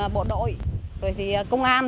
bộ đội rồi thì công an